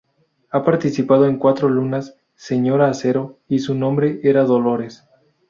Ha participado en "Cuatro lunas", "Señora Acero" y "Su nombre era Dolores".